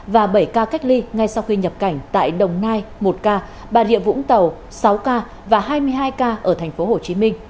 và bảy ca cách ly ngay sau khi nhập cảnh tại đồng nai một ca bà rịa vũng tàu sáu ca và hai mươi hai ca ở tp hcm